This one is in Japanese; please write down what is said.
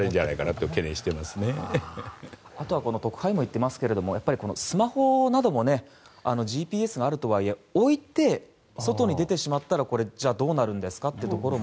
あとは特派員も言っていますけどスマホなどもＧＰＳなどがあるとはいえ置いて、外に出てしまったらどうなるんですかというところも。